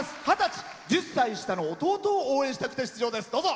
１０歳下の弟を応援したくて出場です。